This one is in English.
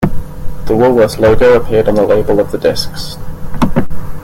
The Woolworth's logo appeared on the label of the discs.